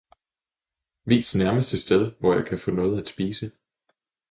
vis nærmeste sted hvor jeg kan få noget at spise